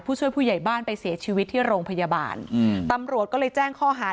ช่วยผู้ใหญ่บ้านไปเสียชีวิตที่โรงพยาบาลอืมตำรวจก็เลยแจ้งข้อหา